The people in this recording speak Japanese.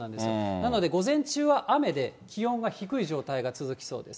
なので午前中は雨で、気温は低い状態が続きそうです。